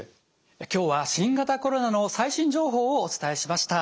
今日は新型コロナの最新情報をお伝えしました。